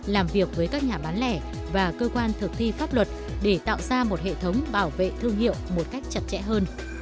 làm việc với các nhà bán lẻ và cơ quan thực thi pháp luật để tạo ra một hệ thống bảo vệ thương hiệu một cách chặt chẽ hơn